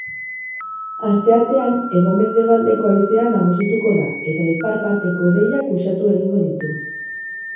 Asteartean hego-mendebaldeko haizea nagusituko da eta ipar parteko hodeiak uxatu egingo ditu.